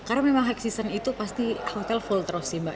karena memang high season itu pasti hotel full terus sih mbak